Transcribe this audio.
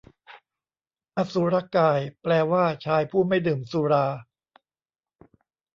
อสุรกาย แปลว่า ชายผู้ไม่ดื่มสุรา